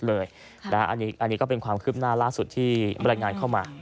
อันนี้ก็เป็นความคืบหน้าล่าสุดที่บรรยายงานเข้ามา